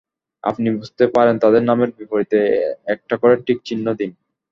আপনি বুঝতে পারেন তাদের নামের বিপরীতে একটা করে টিক চিহ্ন দিন।